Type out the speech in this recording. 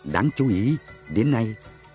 đáng chú ý đến nay